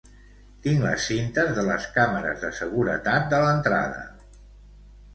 Tinc les cintes de les càmeres de seguretat de l'entrada.